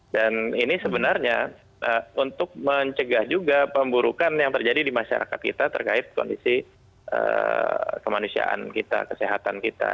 dan ini sebenarnya untuk mencegah juga pemburukan yang terjadi di masyarakat kita terkait kondisi kemanusiaan kita kesehatan kita